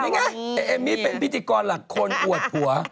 นี่ไงเอมมี่เป็นพิธีกรหลักคนอวดผัว